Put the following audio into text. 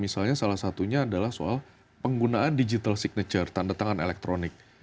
satunya adalah soal penggunaan digital signature tanda tangan elektronik